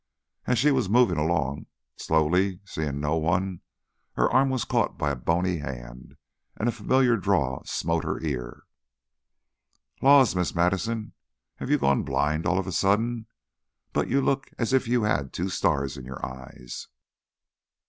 As she was moving along slowly, seeing no one, her arm was caught by a bony hand, and a familiar drawl smote her ear. "Laws, Miss Madison, have you gone blind all of a sudden? But you look as if you had two stars in your eyes."